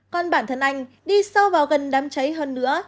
còn bản thân anh đi sâu vào gần đám cháy hơn nữa